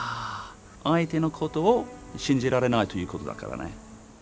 相手のことを信じられないということだからね。